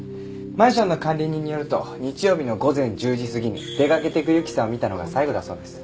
マンションの管理人によると日曜日の午前１０時過ぎに出かけていく由紀さんを見たのが最後だそうです。